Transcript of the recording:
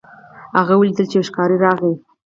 هغه ولیدل چې یو ښکاري راغی.